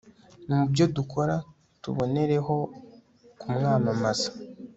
mu byo dukora; tubonereho kumwamamaza